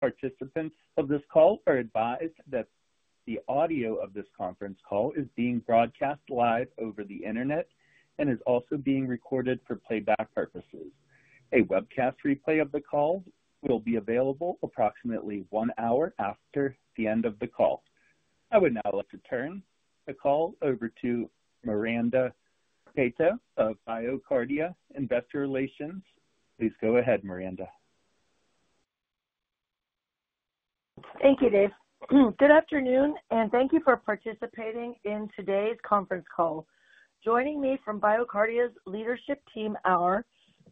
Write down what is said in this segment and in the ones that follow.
Participants of this call are advised that the audio of this conference call is being broadcast live over the Internet and is also being recorded for playback purposes. A webcast replay of the call will be available approximately one hour after the end of the call. I would now like to turn the call over to Miranda Peto of BioCardia Investor Relations. Please go ahead, Miranda. Thank you, Dave. Good afternoon, and thank you for participating in today's conference call. Joining me from BioCardia's Leadership Team are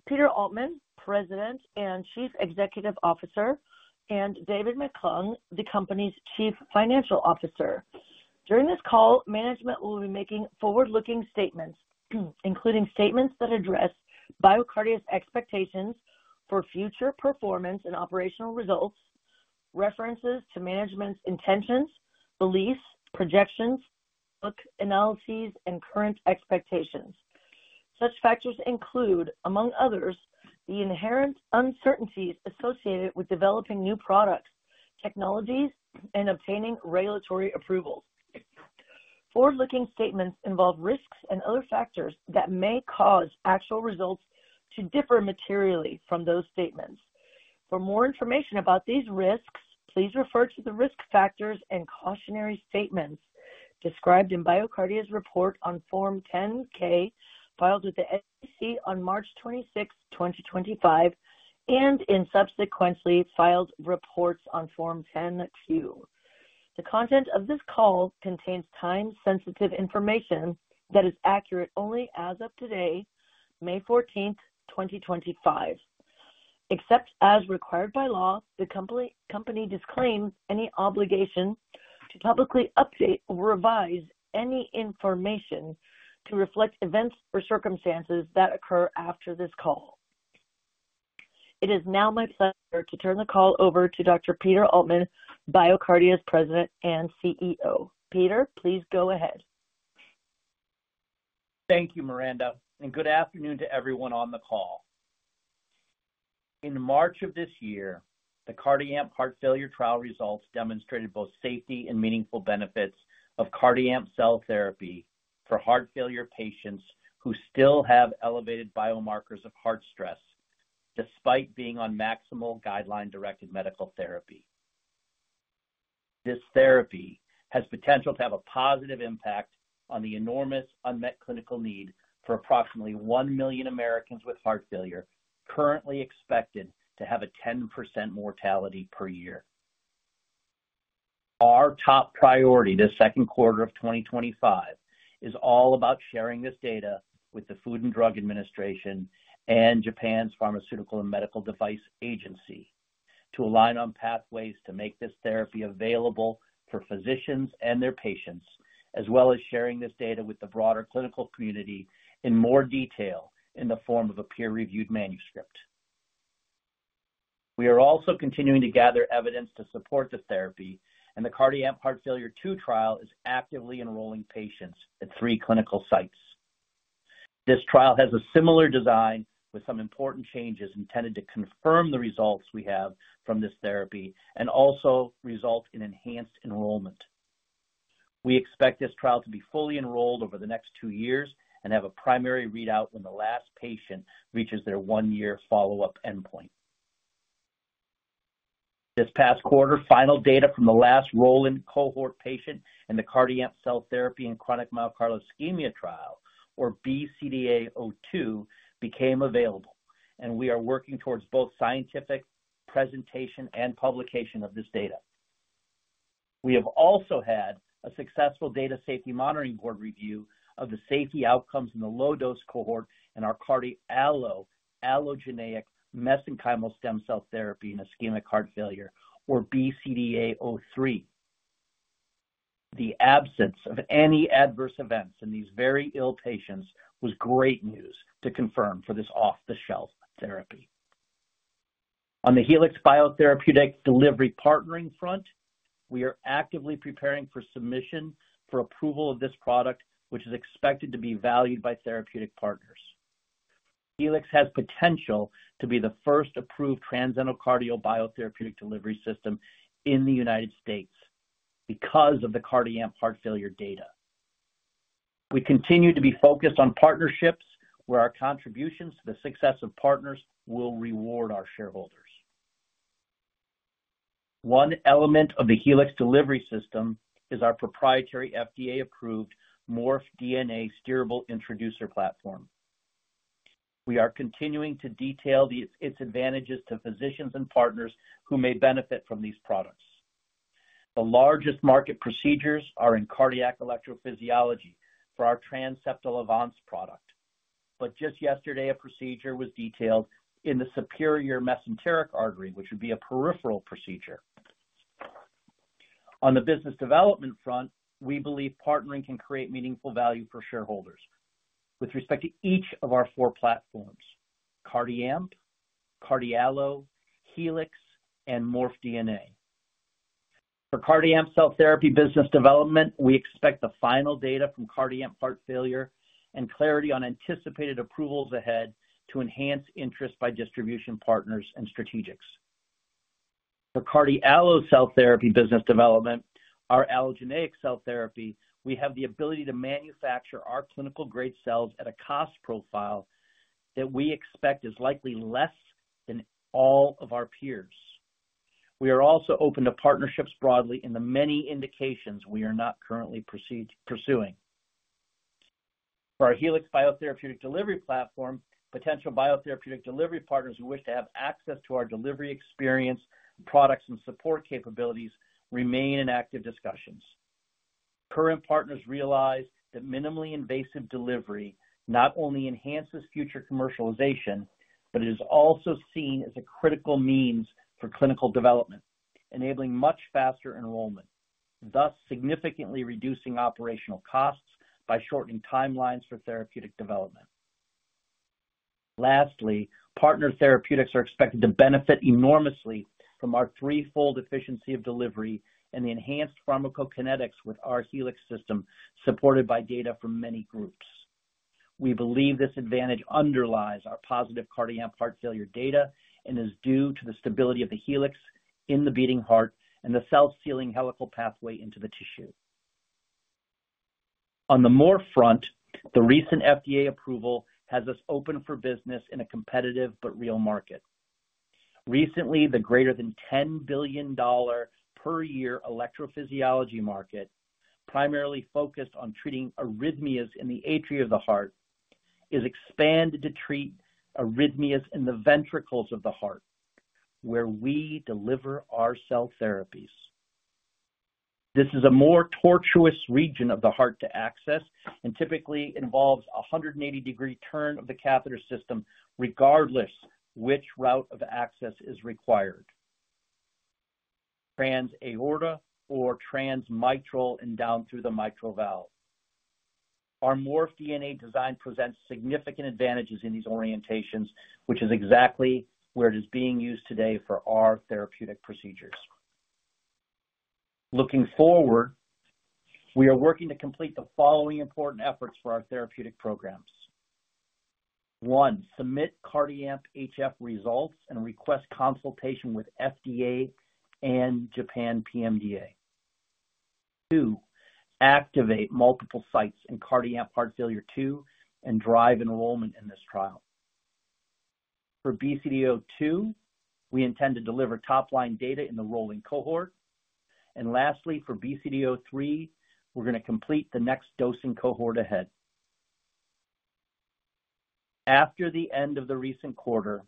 Peter Altman, President and Chief Executive Officer, and David McClung, the company's Chief Financial Officer. During this call, management will be making forward-looking statements, including statements that address BioCardia's expectations for future performance and operational results, references to management's intentions, beliefs, projections, analyses, and current expectations. Such factors include, among others, the inherent uncertainties associated with developing new products, technologies, and obtaining regulatory approvals. Forward-looking statements involve risks and other factors that may cause actual results to differ materially from those statements. For more information about these risks, please refer to the risk factors and cautionary statements described in BioCardia's report on Form 10-K filed with the SEC on March 26, 2025, and in subsequently filed reports on Form 10-Q. The content of this call contains time-sensitive information that is accurate only as of today, May 14, 2025. Except as required by law, the company disclaims any obligation to publicly update or revise any information to reflect events or circumstances that occur after this call. It is now my pleasure to turn the call over to Dr. Peter Altman, BioCardia's President and CEO. Peter, please go ahead. Thank you, Miranda, and good afternoon to everyone on the call. In March of this year, the CardiAMP heart failure trial results demonstrated both safety and meaningful benefits of CardiAMP cell therapy for heart failure patients who still have elevated biomarkers of heart stress despite being on maximal guideline-directed medical therapy. This therapy has potential to have a positive impact on the enormous unmet clinical need for approximately 1 million Americans with heart failure currently expected to have a 10% mortality per year. Our top priority this second quarter of 2025 is all about sharing this data with the Food and Drug Administration and Japan's Pharmaceutical and Medical Device Agency to align on pathways to make this therapy available for physicians and their patients, as well as sharing this data with the broader clinical community in more detail in the form of a peer-reviewed manuscript. We are also continuing to gather evidence to support this therapy, and the CardiAMP heart failure II trial is actively enrolling patients at three clinical sites. This trial has a similar design with some important changes intended to confirm the results we have from this therapy and also result in enhanced enrollment. We expect this trial to be fully enrolled over the next two years and have a primary readout when the last patient reaches their one-year follow-up endpoint. This past quarter, final data from the last roll-in cohort patient in the CardiAMP cell therapy and chronic myocardial ischemia trial, or BCDA-02, became available, and we are working towards both scientific presentation and publication of this data. We have also had a successful Data Safety Monitoring Board review of the safety outcomes in the low-dose cohort in our CardiALLO allogeneic esenchymal stem cell therapy in ischemic heart failure, or BCDA-03. The absence of any adverse events in these very ill patients was great news to confirm for this off-the-shelf therapy. On the Helix biotherapeutic delivery partnering front, we are actively preparing for submission for approval of this product, which is expected to be valued by therapeutic partners. Helix has potential to be the first-approved transendocardial biotherapeutic delivery system in the United States because of the CardiAMP heart failure data. We continue to be focused on partnerships where our contributions to the success of partners will reward our shareholders. One element of the Helix delivery system is our proprietary FDA-approved MorphDNA steerable introducer platform. We are continuing to detail its advantages to physicians and partners who may benefit from these products. The largest market procedures are in cardiac electrophysiology for our transseptal Avance product, but just yesterday, a procedure was detailed in the superior mesenteric artery, which would be a peripheral procedure. On the business development front, we believe partnering can create meaningful value for shareholders with respect to each of our four platforms: CardiAMP, CardiALLO, Helix, and MorphDNA. For CardiAMP cell therapy business development, we expect the final data from CardiAMP heart failure and clarity on anticipated approvals ahead to enhance interest by distribution partners and strategics. For CardiALLO cell therapy business development, our allogeneic cell therapy, we have the ability to manufacture our clinical-grade cells at a cost profile that we expect is likely less than all of our peers. We are also open to partnerships broadly in the many indications we are not currently pursuing. For our Helix biotherapeutic delivery platform, potential biotherapeutic delivery partners who wish to have access to our delivery experience, products, and support capabilities remain in active discussions. Current partners realize that minimally invasive delivery not only enhances future commercialization, but it is also seen as a critical means for clinical development, enabling much faster enrollment, thus significantly reducing operational costs by shortening timelines for therapeutic development. Lastly, partner therapeutics are expected to benefit enormously from our threefold efficiency of delivery and the enhanced pharmacokinetics with our Helix system supported by data from many groups. We believe this advantage underlies our positive CardiAMP heart failure data and is due to the stability of the Helix in the beating heart and the self-sealing helical pathway into the tissue. On the Morph front, the recent FDA approval has us open for business in a competitive but real market. Recently, the greater than $10 billion per year electrophysiology market, primarily focused on treating arrhythmias in the atria of the heart, is expanded to treat arrhythmias in the ventricles of the heart, where we deliver our cell therapies. This is a more tortuous region of the heart to access and typically involves a 180-degree turn of the catheter system, regardless of which route of access is required: trans-aorta or transmitral and down through the mitral valve. Our MorphDNA design presents significant advantages in these orientations, which is exactly where it is being used today for our therapeutic procedures. Looking forward, we are working to complete the following important efforts for our therapeutic programs: one, submit CardiAMP HF results and request consultation with FDA and Japan PMDA; two, activate multiple sites in CardiAMP heart failure II and drive enrollment in this trial. For BCDA-02, we intend to deliver top-line data in the roll-in cohort, and lastly, for BCDA-03, we're going to complete the next dosing cohort ahead. After the end of the recent quarter,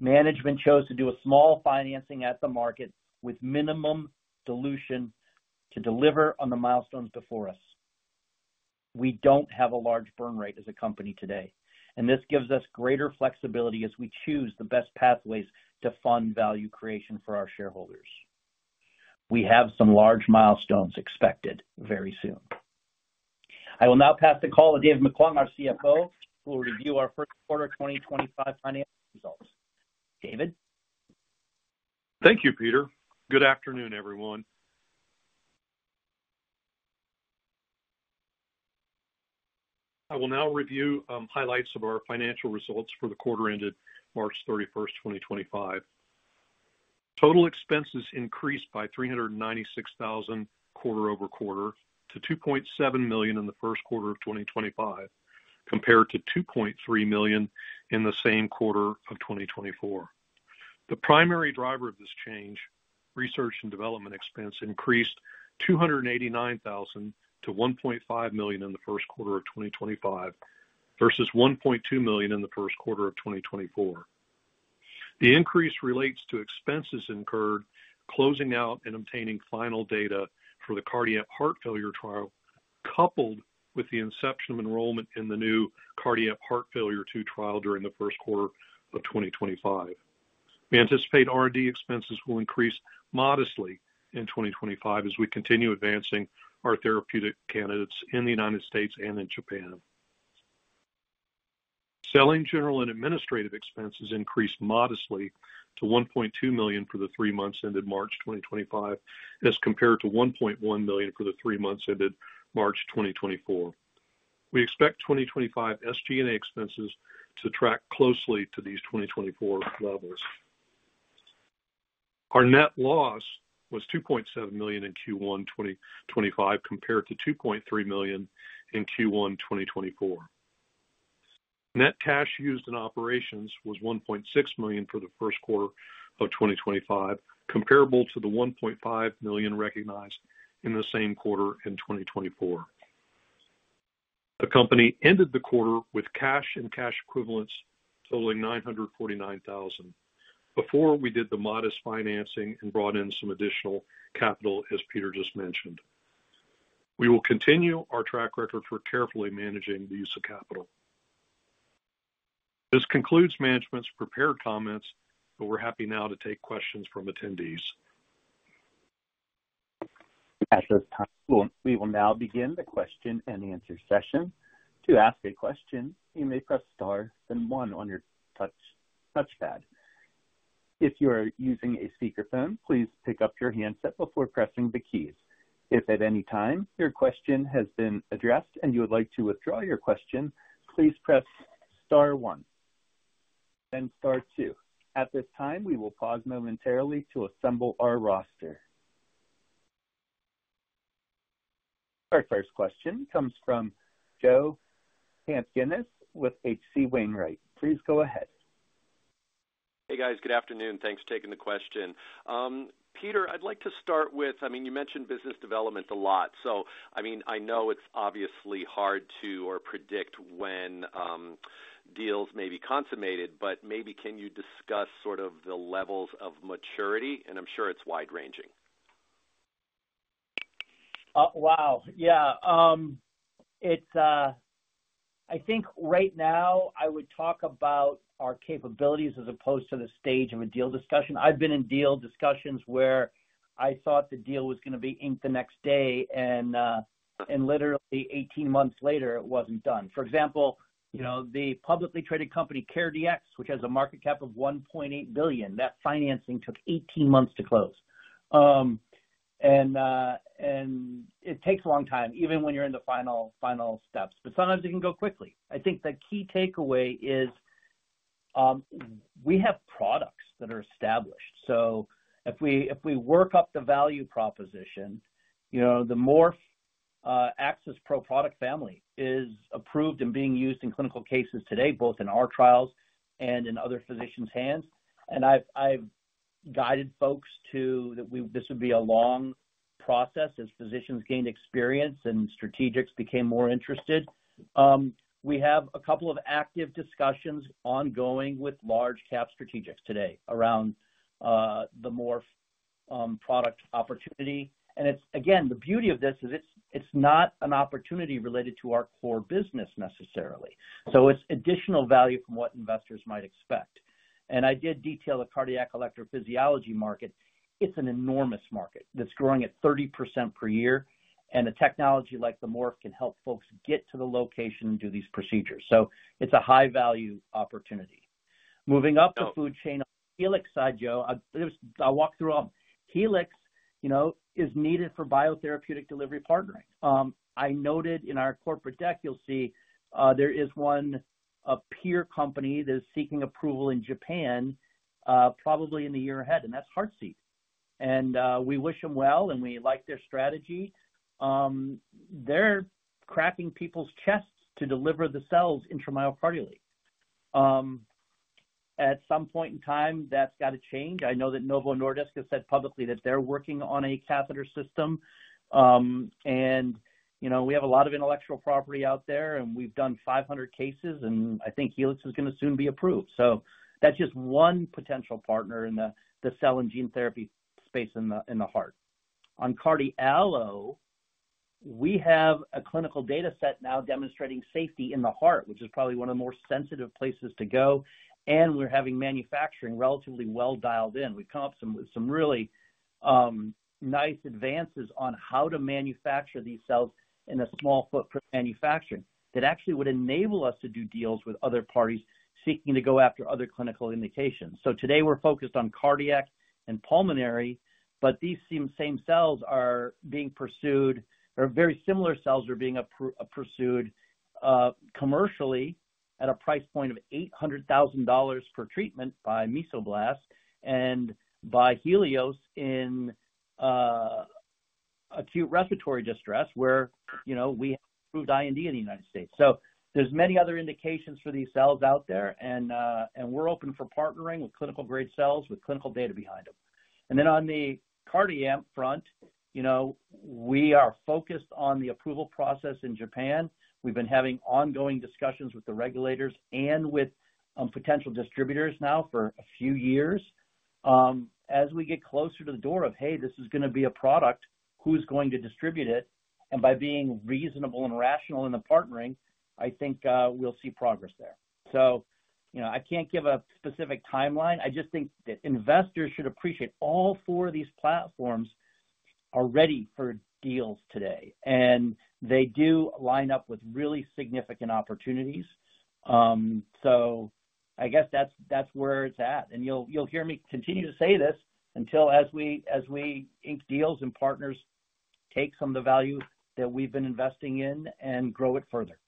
management chose to do a small financing at the market with minimum dilution to deliver on the milestones before us. We don't have a large burn rate as a company today, and this gives us greater flexibility as we choose the best pathways to fund value creation for our shareholders. We have some large milestones expected very soon. I will now pass the call to David McClung, our CFO, who will review our first quarter 2025 financial results. David? Thank you, Peter. Good afternoon, everyone. I will now review highlights of our financial results for the quarter ended March 31, 2025. Total expenses increased by $396,000 quarter over quarter to $2.7 million in the first quarter of 2025, compared to $2.3 million in the same quarter of 2024. The primary driver of this change, research and development expense, increased $289,000 to $1.5 million in the first quarter of 2025 versus $1.2 million in the first quarter of 2024. The increase relates to expenses incurred closing out and obtaining final data for the CardiAMP heart failure trial, coupled with the inception of enrollment in the new CardiAMP heart failure II trial during the first quarter of 2025. We anticipate R&D expenses will increase modestly in 2025 as we continue advancing our therapeutic candidates in the United States and in Japan. Selling general and administrative expenses increased modestly to $1.2 million for the three months ended March 2025, as compared to $1.1 million for the three months ended March 2024. We expect 2025 SG&A expenses to track closely to these 2024 levels. Our net loss was $2.7 million in Q1 2025, compared to $2.3 million in Q1 2024. Net cash used in operations was $1.6 million for the first quarter of 2025, comparable to the $1.5 million recognized in the same quarter in 2024. The company ended the quarter with cash and cash equivalents totaling $949,000, before we did the modest financing and brought in some additional capital, as Peter just mentioned. We will continue our track record for carefully managing the use of capital. This concludes management's prepared comments, but we're happy now to take questions from attendees. At this time, we will now begin the question and answer session. To ask a question, you may press *1 on your touchpad. If you are using a speakerphone, please pick up your handset before pressing the keys. If at any time your question has been addressed and you would like to withdraw your question, please press star *1 then *2. At this time, we will pause momentarily to assemble our roster. Our first question comes from Joe Pantginis with H.C. Wainwright. Please go ahead. Hey, guys. Good afternoon. Thanks for taking the question. Peter, I'd like to start with, I mean, you mentioned business development a lot. I mean, I know it's obviously hard to predict when deals may be consummated, but maybe can you discuss sort of the levels of maturity? I'm sure it's wide-ranging. Wow. Yeah. I think right now I would talk about our capabilities as opposed to the stage of a deal discussion. I've been in deal discussions where I thought the deal was going to be inked the next day, and literally 18 months later, it wasn't done. For example, the publicly traded company CareDx, which has a market cap of $1.8 billion, that financing took 18 months to close. It takes a long time, even when you're in the final steps. Sometimes it can go quickly. I think the key takeaway is we have products that are established. If we work up the value proposition, the MorphoAccess Pro product family is approved and being used in clinical cases today, both in our trials and in other physicians' hands. I've guided folks to that this would be a long process as physicians gained experience and strategics became more interested. We have a couple of active discussions ongoing with large-cap strategics today around the Morph product opportunity. The beauty of this is it's not an opportunity related to our core business necessarily. It's additional value from what investors might expect. I did detail the cardiac electrophysiology market. It's an enormous market that's growing at 30% per year, and a technology like the Morph can help folks get to the location and do these procedures. It's a high-value opportunity. Moving up the food chain on the Helix side, Joe, I'll walk through them. Helix is needed for biotherapeutic delivery partnering. I noted in our corporate deck, you'll see there is one peer company that is seeking approval in Japan probably in the year ahead, and that's Heartseed. We wish them well, and we like their strategy. They're cracking people's chests to deliver the cells intramyocardially. At some point in time, that's got to change. I know that Novo Nordisk has said publicly that they're working on a catheter system. We have a lot of intellectual property out there, and we've done 500 cases, and I think Helix is going to soon be approved. That is just one potential partner in the cell and gene therapy space in the heart. On CardiALLO, we have a clinical data set now demonstrating safety in the heart, which is probably one of the more sensitive places to go. We're having manufacturing relatively well dialed in. We've come up with some really nice advances on how to manufacture these cells in a small footprint manufacturing that actually would enable us to do deals with other parties seeking to go after other clinical indications. Today, we're focused on cardiac and pulmonary, but these same cells are being pursued or very similar cells are being pursued commercially at a price point of $800,000 per treatment by Mesoblast and by Helios in acute respiratory distress, where we have approved IND in the United States. There are many other indications for these cells out there, and we're open for partnering with clinical-grade cells with clinical data behind them. On the CardiAMP front, we are focused on the approval process in Japan. We've been having ongoing discussions with the regulators and with potential distributors now for a few years. As we get closer to the door of, "Hey, this is going to be a product, who's going to distribute it?" and by being reasonable and rational in the partnering, I think we'll see progress there. I can't give a specific timeline. I just think that investors should appreciate all four of these platforms are ready for deals today, and they do line up with really significant opportunities. I guess that's where it's at. You'll hear me continue to say this until as we ink deals and partners, take some of the value that we've been investing in and grow it further.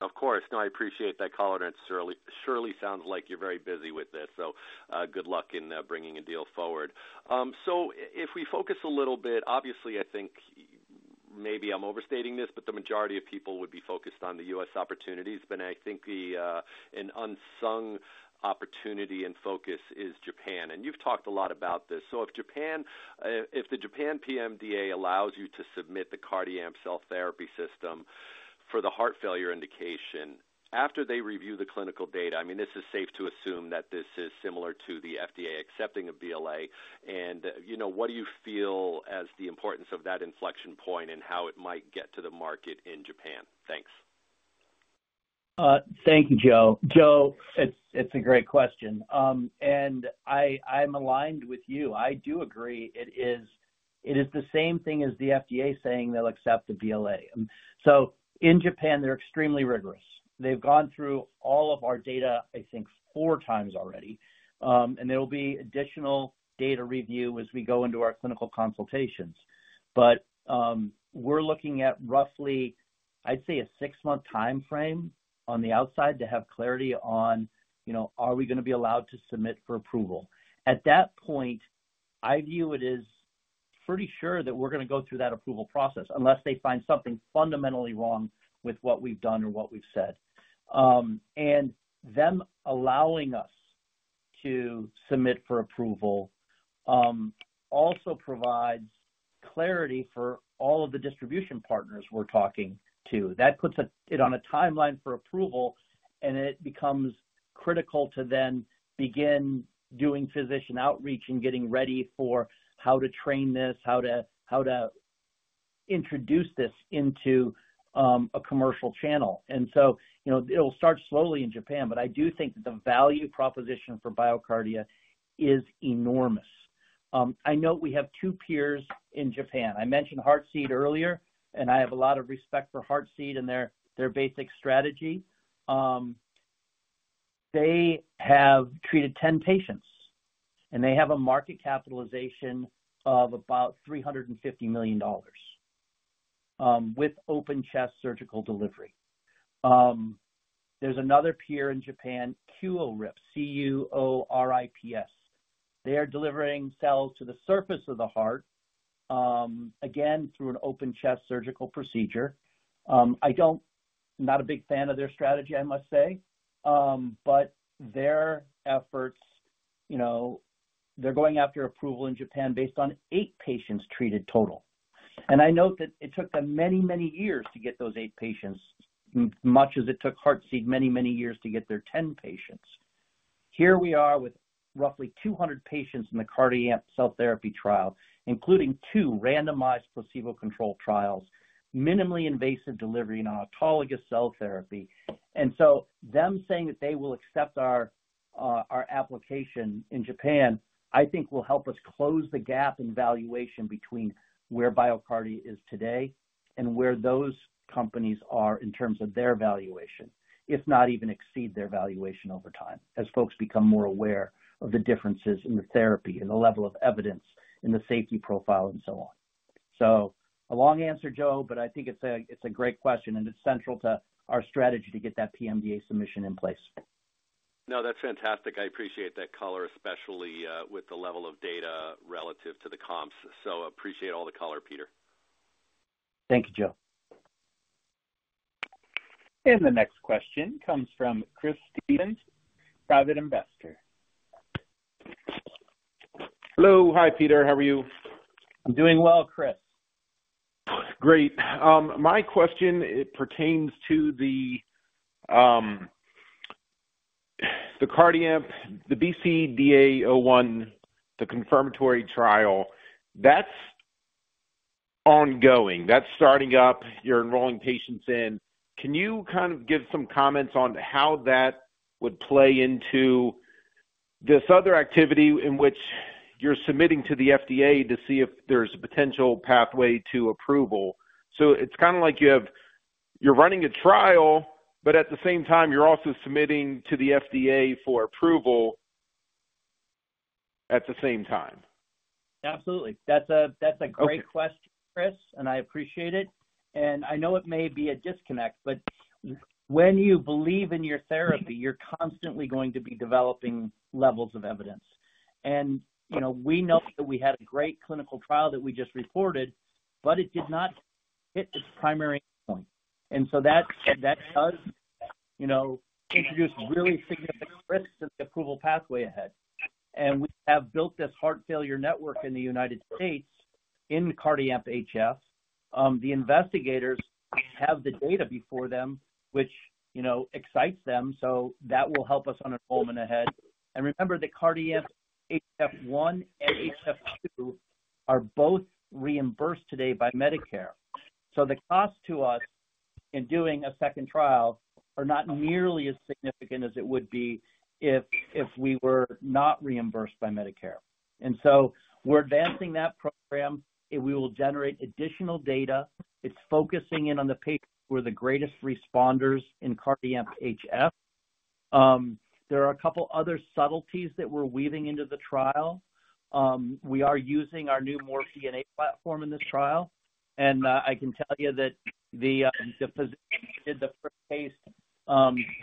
Of course. No, I appreciate that call. It surely sounds like you're very busy with this. Good luck in bringing a deal forward. If we focus a little bit, obviously, I think maybe I'm overstating this, but the majority of people would be focused on the U.S. opportunities. I think an unsung opportunity and focus is Japan. You've talked a lot about this. If the Japan PMDA allows you to submit the CardiAMP cell therapy system for the heart failure indication after they review the clinical data, I mean, is it safe to assume that this is similar to the FDA accepting of BLA? What do you feel as the importance of that inflection point and how it might get to the market in Japan? Thanks. Thank you, Joe. Joe, it's a great question. I'm aligned with you. I do agree. It is the same thing as the FDA saying they'll accept the BLA. In Japan, they're extremely rigorous. They've gone through all of our data, I think, four times already. There will be additional data review as we go into our clinical consultations. We're looking at roughly, I'd say, a six-month time frame on the outside to have clarity on, are we going to be allowed to submit for approval? At that point, I view it as pretty sure that we're going to go through that approval process unless they find something fundamentally wrong with what we've done or what we've said. Them allowing us to submit for approval also provides clarity for all of the distribution partners we're talking to. That puts it on a timeline for approval, and it becomes critical to then begin doing physician outreach and getting ready for how to train this, how to introduce this into a commercial channel. It will start slowly in Japan, but I do think that the value proposition for BioCardia is enormous. I know we have two peers in Japan. I mentioned Heartseed earlier, and I have a lot of respect for Heartseed and their basic strategy. They have treated 10 patients, and they have a market capitalization of about $350 million with open chest surgical delivery. There is another peer in Japan, Cuorips, C-U-O-R-I-P-S. They are delivering cells to the surface of the heart, again, through an open chest surgical procedure. I'm not a big fan of their strategy, I must say, but their efforts, they're going after approval in Japan based on eight patients treated total. I note that it took them many, many years to get those eight patients, much as it took Heartseed many, many years to get their 10 patients. Here we are with roughly 200 patients in the CardiAMP cell therapy trial, including two randomized placebo-controlled trials, minimally invasive delivery and autologous cell therapy. Them saying that they will accept our application in Japan, I think will help us close the gap in valuation between where BioCardia is today and where those companies are in terms of their valuation, if not even exceed their valuation over time as folks become more aware of the differences in the therapy, in the level of evidence, in the safety profile, and so on. A long answer, Joe, but I think it's a great question, and it's central to our strategy to get that PMDA submission in place. No, that's fantastic. I appreciate that color, especially with the level of data relative to the comps. So appreciate all the color, Peter. Thank you, Joe. The next question comes from Chris Stevens, private investor. Hello. Hi, Peter. How are you? I'm doing well, Chris. Great. My question, it pertains to the CardiAMP, the BCDA-01, the confirmatory trial. That's ongoing. That's starting up. You're enrolling patients in. Can you kind of give some comments on how that would play into this other activity in which you're submitting to the FDA to see if there's a potential pathway to approval? It's kind of like you're running a trial, but at the same time, you're also submitting to the FDA for approval at the same time. Absolutely. That's a great question, Chris, and I appreciate it. I know it may be a disconnect, but when you believe in your therapy, you're constantly going to be developing levels of evidence. We know that we had a great clinical trial that we just reported, but it did not hit its primary endpoint. That does introduce really significant risks to the approval pathway ahead. We have built this heart failure network in the United States in CardiAMP HF. The investigators have the data before them, which excites them. That will help us on enrollment ahead. Remember that CardiAMP HF1 and HF2 are both reimbursed today by Medicare. The cost to us in doing a second trial is not nearly as significant as it would be if we were not reimbursed by Medicare. We are advancing that program. We will generate additional data. It's focusing in on the patients who are the greatest responders in CardiAMP HF. There are a couple of other subtleties that we're weaving into the trial. We are using our new MorphDNA platform in this trial. I can tell you that the physician who did the first case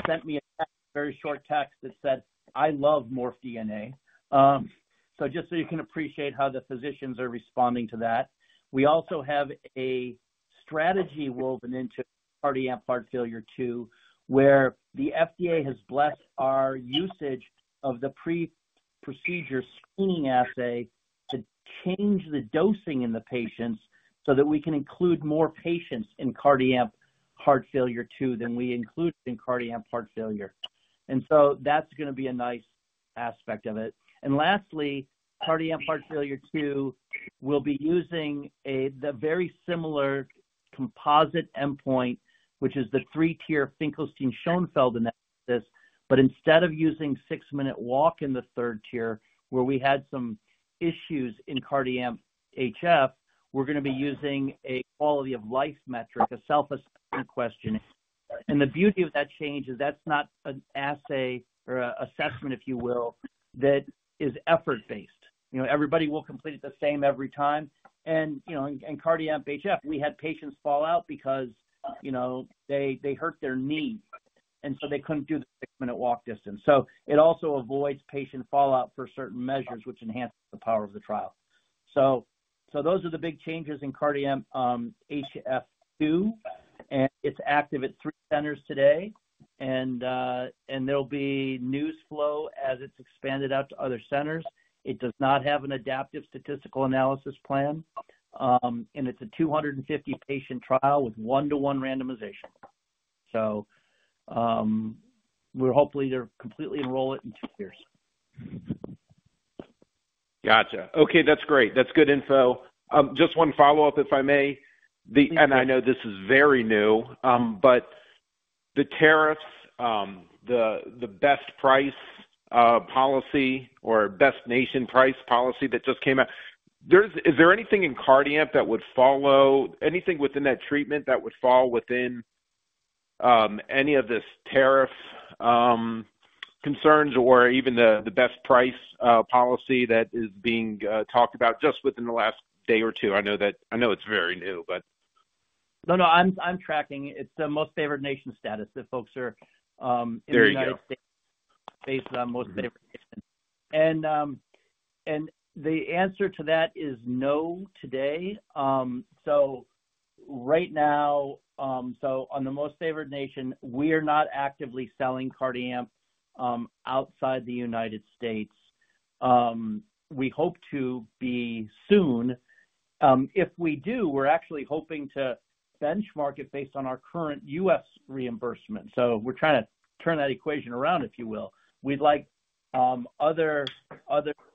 sent me a very short text that said, "I love MorphDNA." Just so you can appreciate how the physicians are responding to that. We also have a strategy woven into CardiAMP heart failure II, where the FDA has blessed our usage of the pre-procedure screening assay to change the dosing in the patients so that we can include more patients in CardiAMP heart failure II than we included in CardiAMP heart failure. That's going to be a nice aspect of it. Lastly, CardiAMP heart failure II will be using the very similar composite endpoint, which is the three-tier Finkelstein-Schoenfeld analysis. Instead of using six-minute walk in the third tier, where we had some issues in CardiAMP HF, we're going to be using a quality of life metric, a self-assessment question. The beauty of that change is that's not an assay or assessment, if you will, that is effort-based. Everybody will complete it the same every time. In CardiAMP HF, we had patients fall out because they hurt their knee, and so they couldn't do the six-minute walk distance. It also avoids patient fallout for certain measures, which enhances the power of the trial. Those are the big changes in CardiAMP HF2. It's active at three centers today. There'll be news flow as it's expanded out to other centers. It does not have an adaptive statistical analysis plan. It is a 250-patient trial with one-to-one randomization. We are hopefully to completely enroll it in two years. Gotcha. Okay. That's great. That's good info. Just one follow-up, if I may. I know this is very new, but the tariffs, the best price policy or best nation price policy that just came out, is there anything in CardiAMP that would follow, anything within that treatment that would fall within any of these tariff concerns or even the best price policy that is being talked about just within the last day or two? I know it's very new, but. No, no. I'm tracking it. It's the most favored nation status that folks are in the U.S. based on most favored nation. The answer to that is no today. Right now, on the most favored nation, we are not actively selling CardiAMP outside the U.S. We hope to be soon. If we do, we're actually hoping to benchmark it based on our current U.S. reimbursement. We're trying to turn that equation around, if you will. We'd like others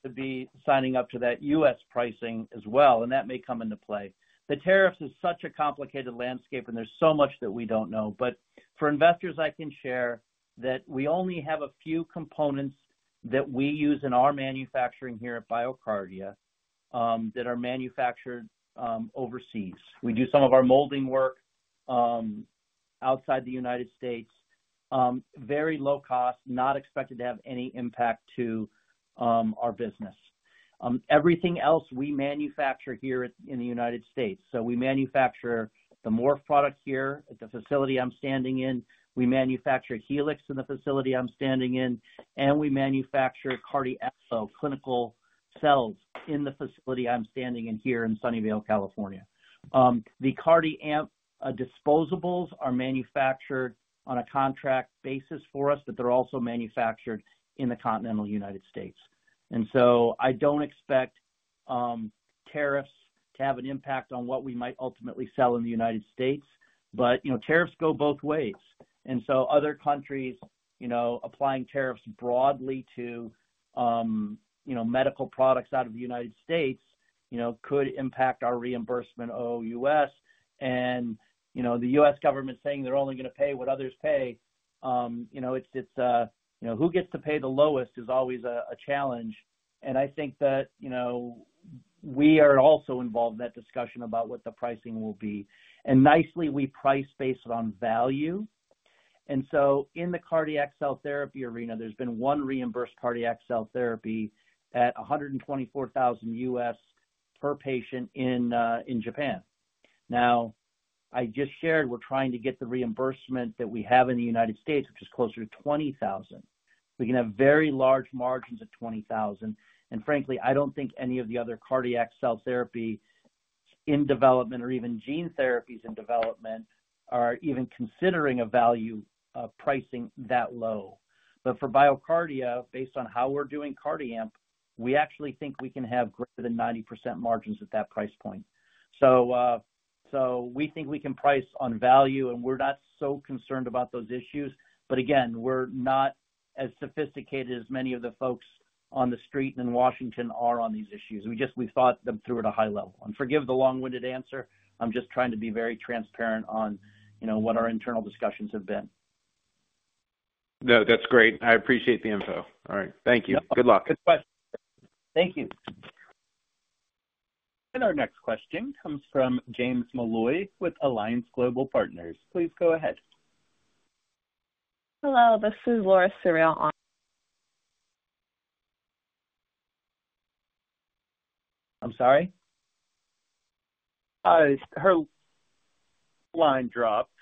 to be signing up to that U.S. pricing as well, and that may come into play. The tariffs is such a complicated landscape, and there's so much that we don't know. For investors, I can share that we only have a few components that we use in our manufacturing here at BioCardia that are manufactured overseas. We do some of our molding work outside the United States, very low cost, not expected to have any impact to our business. Everything else we manufacture here in the United States. We manufacture the Morph products here at the facility I'm standing in. We manufacture Helix in the facility I'm standing in. We manufacture CardiAMP cell clinical cells in the facility I'm standing in here in Sunnyvale, California. The CardiAMP disposables are manufactured on a contract basis for us, but they're also manufactured in the continental United States. I don't expect tariffs to have an impact on what we might ultimately sell in the United States. Tariffs go both ways. Other countries applying tariffs broadly to medical products out of the United States could impact our reimbursement OUS and the U.S. Government saying they're only going to pay what others pay, it's who gets to pay the lowest is always a challenge. I think that we are also involved in that discussion about what the pricing will be. Nicely, we price based on value. In the cardiac cell therapy arena, there's been one reimbursed cardiac cell therapy at $124,000 per patient in Japan. I just shared we're trying to get the reimbursement that we have in the United States, which is closer to $20,000. We can have very large margins at $20,000. Frankly, I don't think any of the other cardiac cell therapy in development or even gene therapies in development are even considering a value pricing that low. For BioCardia, based on how we're doing CardiAMP, we actually think we can have greater than 90% margins at that price point. We think we can price on value, and we're not so concerned about those issues. Again, we're not as sophisticated as many of the folks on the street in Washington are on these issues. We thought them through at a high level. Forgive the long-winded answer. I'm just trying to be very transparent on what our internal discussions have been. No, that's great. I appreciate the info. All right. Thank you. Good luck. Good question. Thank you. Our next question comes from James Molloy with Alliance Global Partners. Please go ahead. Hello. This is Laura Suriel on. I'm sorry? Her line dropped.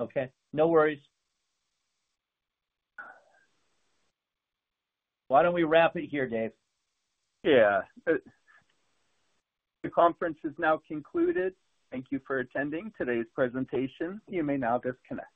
Okay. No worries. Why don't we wrap it here, Dave? Yeah. The conference is now concluded. Thank you for attending today's presentation. You may now disconnect.